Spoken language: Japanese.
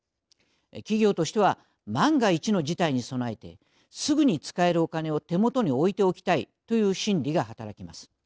企業としては万が一の事態に備えてすぐに使えるお金を手元に置いておきたいという心理が働きます。